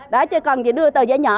đó chứ còn chị đưa tờ dây nhỏ